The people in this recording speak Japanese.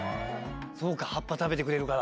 そうか葉っぱ食べてくれるから。